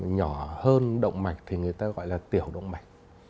nhỏ hơn động mạch thì người ta gọi là tiểu động mạch